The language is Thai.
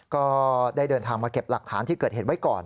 ก็ได้เดินทางมาเก็บหลักฐานที่เกิดเหตุไว้ก่อน